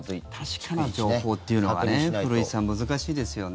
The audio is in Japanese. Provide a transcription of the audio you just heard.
確かな情報っていうのは古市さん、難しいですよね。